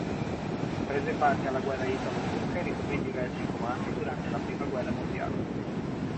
Prese parte alla guerra italo-turca e ricoprì diversi comandi durante la prima guerra mondiale.